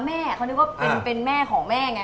แม่เขานึกว่าเป็นแม่ของแม่ไง